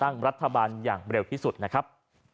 นะครับ